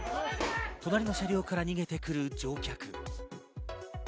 隣の車両から逃げてくる乗客。